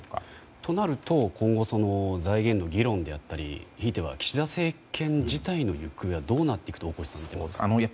となると今後財源の議論であったりひいては岸田政権自体の行方がどうなっていくと大越さんは思いますか？